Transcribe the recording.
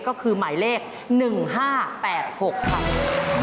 ก็คือหมายเลข๑๕๘๖ค่ะ